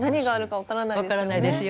分からないですよ。